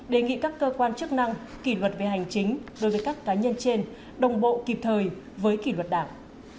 đề nghị các cơ quan chức năng kỷ luật về hành chính đối với các cá nhân trên đồng bộ kịp thời với kỷ luật đảng